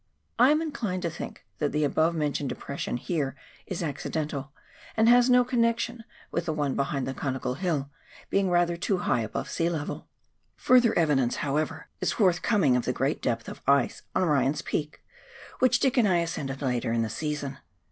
I am inclined to think that the above mentioned depression here is accidental, and has no connection with the one behind the conical hill, being rather too high above sea level. Further evidence, however, is forthcoming of the great depth of ice on Ryan's Peak, which Dick and I ascended later in the season.